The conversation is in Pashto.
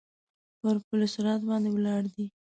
پر پل صراط باندې ولاړ دی.